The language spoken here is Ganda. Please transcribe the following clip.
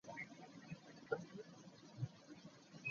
Abaana ba Mzei Kizito tebalina lweboosa okwanika ebikunta!